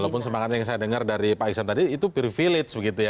walaupun semangat yang saya dengar dari pak iksan tadi itu privilege begitu ya